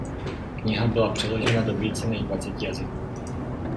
Kniha byla přeložena do více než dvaceti jazyků.